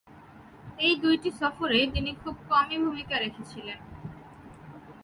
এ দুইটি সফরে তিনি খুব কমই ভূমিকা রেখেছিলেন।